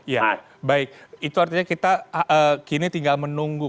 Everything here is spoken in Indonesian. ya baik itu artinya kita kini tinggal menunggu